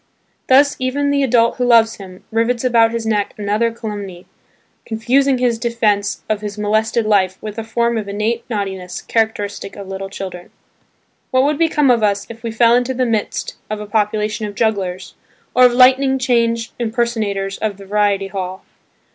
Thus even the adult who loves him, rivets about his neck another calumny, confusing his defence of his molested life with a form of innate naughtiness characteristic of little children. What would become of us if we fell into the midst of a population of jugglers, or of lightning change impersonators of the variety hall?